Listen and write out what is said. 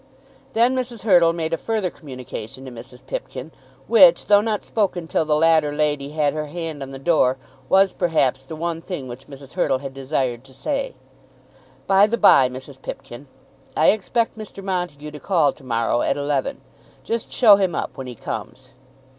Then Mrs. Hurtle made a further communication to Mrs. Pipkin, which, though not spoken till the latter lady had her hand on the door, was, perhaps, the one thing which Mrs. Hurtle had desired to say. "By the bye, Mrs. Pipkin, I expect Mr. Montague to call to morrow at eleven. Just show him up when he comes."